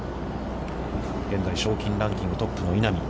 現在、賞金ランキングトップの稲見。